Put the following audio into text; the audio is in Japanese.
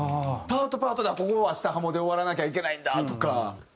パートパートでここは下ハモで終わらなきゃいけないんだとか。